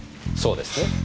そうですね？